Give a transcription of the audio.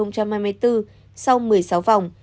sau một mươi sáu vòng